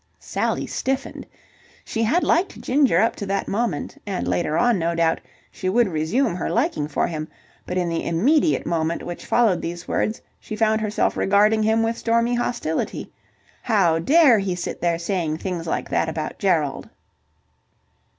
Sally stiffened. She had liked Ginger up to that moment, and later on, no doubt, she would resume her liking for him: but in the immediate moment which followed these words she found herself regarding him with stormy hostility. How dare he sit there saying things like that about Gerald?